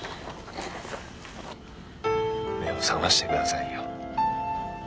目を覚ましてくださいよ。